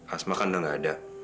asma kan udah nggak ada